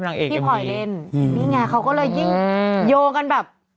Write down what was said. นี่ไงเขาก็เลยยิ่งโยงกันแบบ